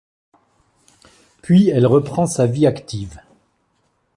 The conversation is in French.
Puis elle reprend sa vie active.